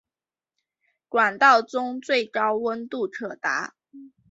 管道中最高温度可达。